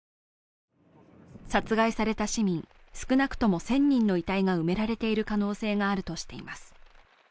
殺害された市民少なくとも１０００人の遺体が埋められている可能性があるとしています。